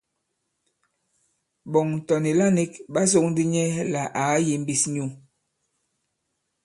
Ɓɔ̀ŋ tɔ̀ nìla nīk ɓa sōk ndī nyɛ lā à kayīmbīs nyu.